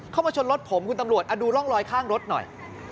มาชนรถผมคุณตำรวจดูร่องรอยข้างรถหน่อย